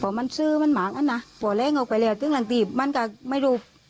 พอมันซื้อมันหมากกันนะพอแรงออกไปแล้วถึงหลังตีบมันก็ไม่รู้